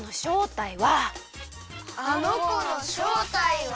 あのこのしょうたいは。